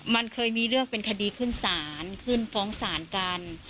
มันเคยมีเรื่องเป็นคดีขึ้นศาลขึ้นฟ้องศาลกัน